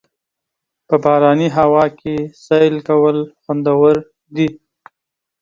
په باراني هوا کې سیل کول خوندور دي.